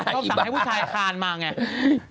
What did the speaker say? ต้องสั่งให้ผู้ชายอาคารมาไง